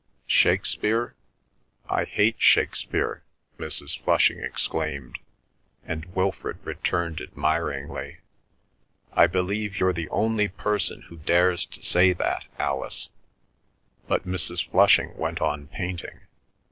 "Shakespeare? I hate Shakespeare!" Mrs. Flushing exclaimed; and Wilfrid returned admiringly, "I believe you're the only person who dares to say that, Alice." But Mrs. Flushing went on painting.